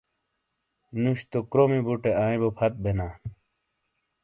نُش تو کرومی بُٹے آئیں بو پھت بینا۔